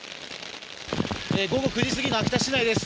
午後９時過ぎの秋田市内です。